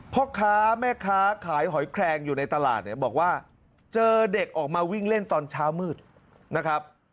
พ่อค้าแม่ค้าขายหอยแคลงอยู่ในตลาดเนี่ยบอกว่าเจอเด็กออกมาวิ่งเล่นตอนเช้ามืดนะครับ